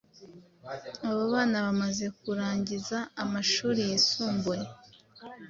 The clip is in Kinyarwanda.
abo bana bamaze kurangiza amashuri yisumbuye